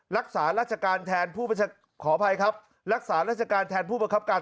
รักษาราชการแทนผู้ขออภัยครับรักษาราชการแทนผู้บังคับการ